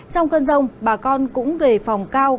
trong cơn rông bà con cũng rề phòng cao